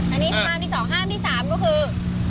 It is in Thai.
อันนี้ห้ามที่๒ห้ามที่๓ก็คือ